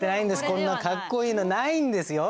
こんなかっこいいのないんですよ